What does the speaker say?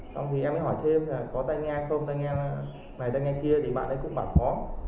xong thì em mới hỏi thêm là có tay ngang không tay ngang này tay ngang kia thì bạn ấy cũng bảo có